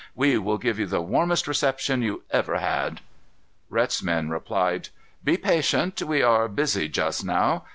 We will give you the warmest reception you ever had." Rhet's men replied, "Be patient. We are busy just now.